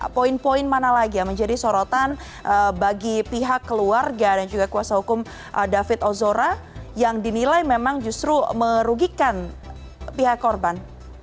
poin poin mana lagi yang menjadi sorotan bagi pihak keluarga dan juga kuasa hukum david ozora yang dinilai memang justru merugikan pihak korban